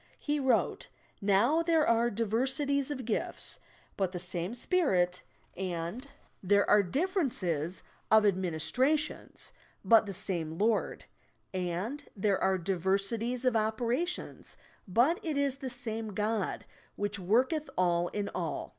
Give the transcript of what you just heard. He wrote, "Now there ere diversities of gifts, but the same Spirit, And there THE SPIRIT WORLD 61 ■ Lord, are differences of administrations, but the se and there are diversities of operations, but it is the same God which worketh all in all.